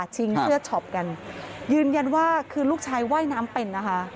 ชิงเสื้อชอบกันยืนยันว่าลูกชายว่ายน้ำเป็น